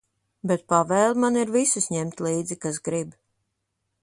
Bet pavēle man ir visus ņemt līdzi, kas grib.